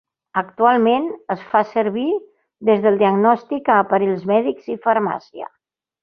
Actualment es fa servir des del diagnòstic a aparells mèdics i farmàcia.